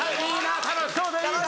楽しそうでいいな。